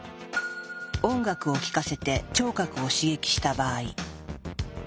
音楽を聞かせて聴覚を刺激した場合。